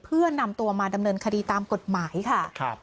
เพื่อนำตัวมาดำเนินคดีตามกฎหมายค่ะ